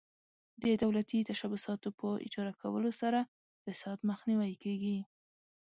د دولتي تشبثاتو په اجاره ورکولو سره فساد مخنیوی کیږي.